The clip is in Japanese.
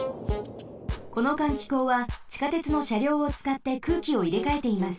この換気口はちかてつのしゃりょうをつかって空気をいれかえています。